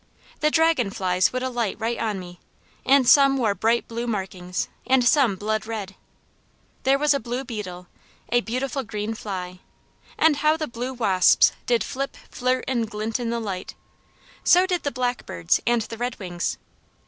The dragonflies would alight right on me, and some wore bright blue markings and some blood red. There was a blue beetle, a beautiful green fly, and how the blue wasps did flip, flirt and glint in the light. So did the blackbirds and the redwings.